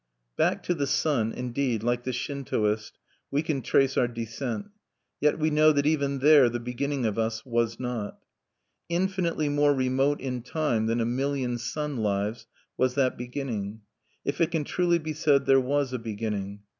Back to the Sun, indeed, like the Shintoist, we can trace our descent; yet we know that even there the beginning of us was not. Infinitely more remote in time than a million sun lives was that beginning, if it can truly be said there was a beginning.